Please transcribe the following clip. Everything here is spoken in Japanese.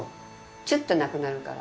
ちゅってなくなるから。